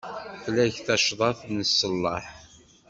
Fell-ak tacḍat n ṣṣellaḥ.